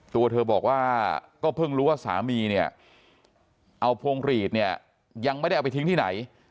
ตัวเธอบอกว่าก็เพิ่งรู้ว่าสามีเนี่ยเอาพวงหลีดเนี่ยยังไม่ได้เอาไปทิ้งที่ไหน